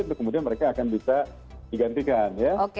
itu kemudian mereka akan bisa digantikan ya